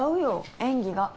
演技が。